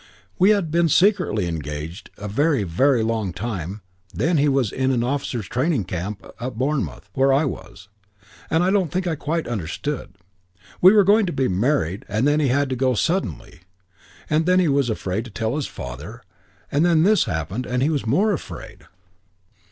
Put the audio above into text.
We had been secretly engaged a very, very long time and then he was in an officers' training camp at Bournemouth where I was, and I don't think I quite understood. We were going to be married and then he had to go suddenly, and then he was afraid to tell his father and then this happened and he was more afraid.